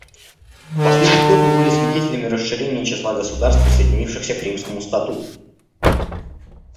В последний год мы были свидетелями расширения числа государств, присоединившихся к Римскому статуту.